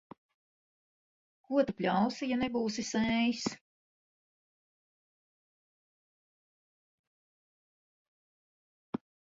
Ko tu pļausi, ja nebūsi sējis.